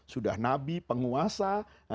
sudah nabi penguasa